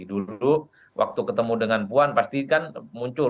dulu waktu ketemu dengan puan pasti kan muncul